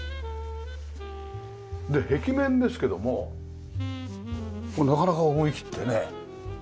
で壁面ですけどもこれなかなか思い切ってね。